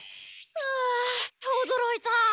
うわおどろいた。